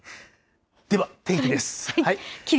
では、天気です。